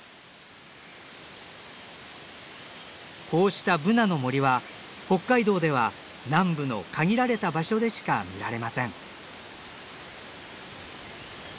こうしたブナの森は北海道では南部の限られた場所でしか見られません。